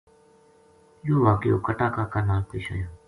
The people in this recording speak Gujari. یو ہ واقعو کٹا کاکا نال پیش آیو